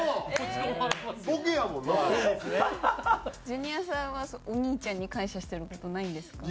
ジュニアさんはお兄ちゃんに感謝してる事ないんですか？